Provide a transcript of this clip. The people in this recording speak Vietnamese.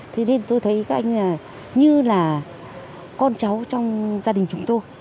thế nên tôi thấy các anh như là con cháu trong gia đình chúng tôi